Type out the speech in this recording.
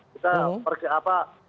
kita pergi apa